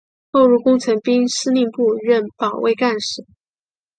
后入工程兵司令部任保卫干事。